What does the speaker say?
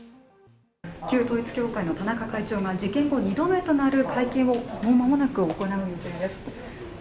旧統一教会の田中会長が、事件後２度目となる会見をもう間もなく行う予定です。